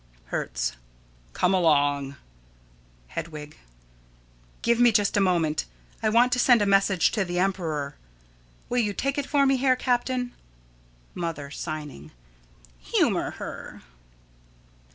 Hertz: Come along. Hedwig: Give me just a moment. I want to send a message to the emperor. Will you take it for me, Herr Captain? Mother: [Signing.] Humor her.